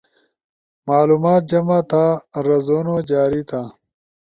معلومات جمع تھا, رازونو جاری تھا